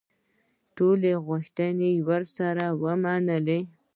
ټولې غوښتنې یې راسره ومنلې.